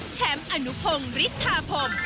แชมป์อนุพงศ์ฤทธาพรม